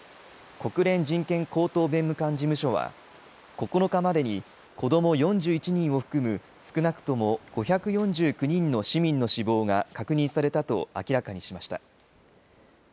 国連人権高等弁務官事務所は、９日までに子ども４１人を含む少なくとも５４９人の市民の死亡が確認されたと明らかにしました。